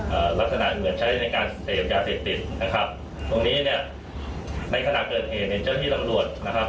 ลักษณะเหมือนใช้ในการเสพยาเสพติดนะครับตรงนี้เนี้ยในขณะเกิดเหตุเนี่ยเจ้าที่สำรวจนะครับ